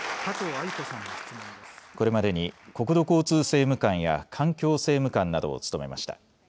これまでに国土交通政務官や環境政務官などを務めました。